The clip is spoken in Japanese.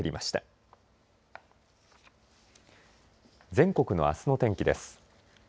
全国のあすの天気です。